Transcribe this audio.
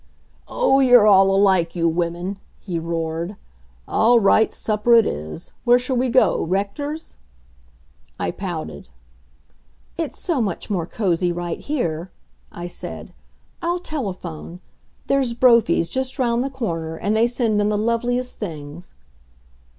"Oh, you're all alike, you women!" he roared. "All right, supper it is. Where shall we go Rector's?" I pouted. "It's so much more cozy right here," I said. "I'll telephone. There's Brophy's, just round the corner, and they send in the loveliest things."